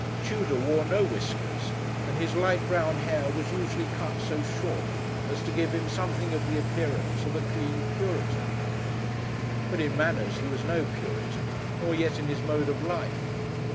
Tudor wore no whiskers, and his light brown hair was usually cut so short as to give him something of the appearance of a clean Puritan. But in manners he was no Puritan; nor yet in his mode of life.